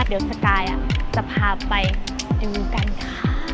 เดี๋ยวสไตล์จะพาไปดูกันค่ะ